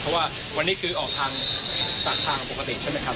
เพราะว่าวันนี้คือออกทางปกติใช่ไหมครับ